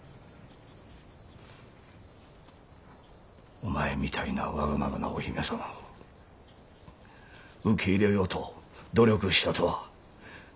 「お前みたいなわがままなお姫様を受け入れようと努力したとは嘉納家の人間たい」。